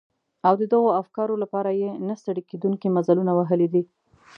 او د دغو افکارو لپاره يې نه ستړي کېدونکي مزلونه وهلي دي.